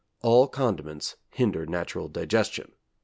All condiments hinder natural digestion.'